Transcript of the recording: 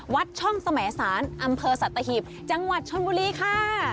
วัดช่องสมสารอำเภอสัตหีบจังหวัดชนบุรีค่ะ